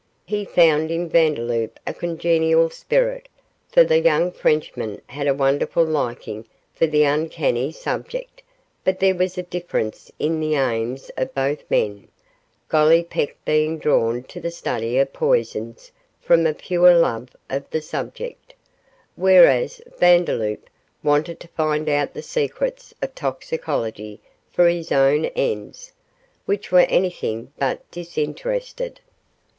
He found in Vandeloup a congenial spirit, for the young Frenchman had a wonderful liking for the uncanny subject; but there was a difference in the aims of both men, Gollipeck being drawn to the study of poisons from a pure love of the subject, whereas Vandeloup wanted to find out the secrets of toxicology for his own ends, which were anything but disinterested.